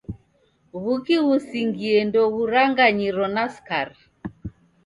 W'uki ghusingie ndoghuranganyiro na skari.